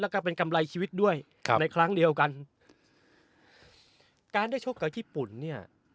แล้วก็เป็นกำไรชีวิตด้วยครับในครั้งเดียวกันการได้ชกกับญี่ปุ่นเนี่ย